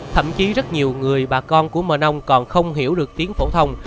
thậm chí rất nhiều người bà con của mờ ông còn không hiểu được tiếng phổ thông